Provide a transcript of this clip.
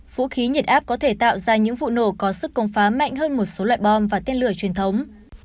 nhiệt áp có thể tạo ra những vụ nổ có sức công phá mạnh hơn một số loại bom và tiên lửa truyền thống